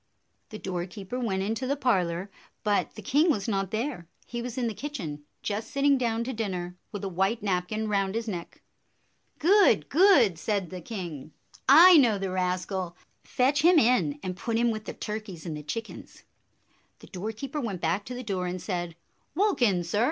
The doorkeeper went into the parlor, but the king was not there ; he was in the kitchen, just 93 94 sitting down to dinner, with a white napkin round his neck. " Good ! Good !" said the king. " I know the rascal. Fetch him in and put him with the turkeys and the chickens." The doorkeeper went back to the door, and said, "Walk in, sir!